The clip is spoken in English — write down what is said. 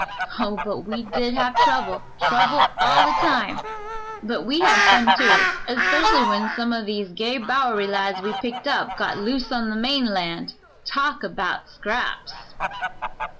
Oh, but we did have trouble trouble all the time, but we had fun, too, especially when some o' these gay Bowery lads we'd picked up got loose on the mainland. Talk about scraps!"